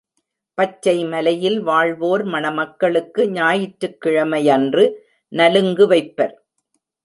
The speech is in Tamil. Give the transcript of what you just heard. பச்சை மலையில் வாழ்வோர் மணமக்களுக்கு ஞாயிற்றுக்கிழமை யன்று நலுங்கு வைப்பர்.